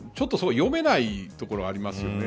読めないところがありますよね。